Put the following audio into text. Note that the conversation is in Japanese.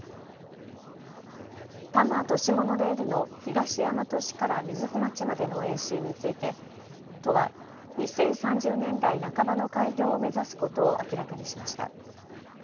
多摩都市モノレールの東大和市から瑞穂町までの延伸について都は２０３０年代半ばの開業を目指すことを明らかにしました。